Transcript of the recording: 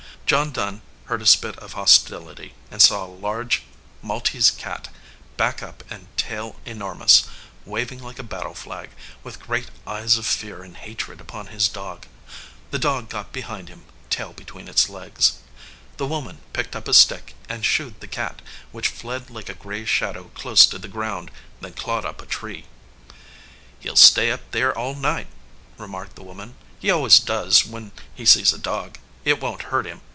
John Dunn heard a spit of hostility, and saw a large Maltese cat, back up and tail enormous, wav ing like a battle flag, with great eyes of fear and hatred upon his dog. The dog got behind him, tail between its legs. The woman picked up a stick "A RETREAT TO THE GOAL" and shooed the cat, which fled like a gray shadow close to the ground, then clawed up a tree. "He ll stay up there all night," remarked the woman. "He always does when he sees a dog. It won t hurt him.